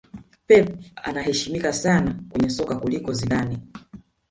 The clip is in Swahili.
Pep anaheshimika sana kwenye soka kuliko Zidane